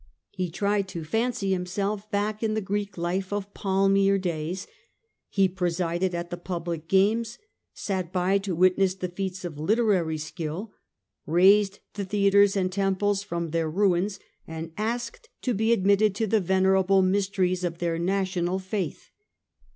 He tried to fancy himself back in the Greek life of palmier days ; and in he presided at the public games, sat by to roore*than witness the feats of literary skill, raised the all, theatres and temples from their ruins, and asked to be admitted to the venerable mysteries of their national faith.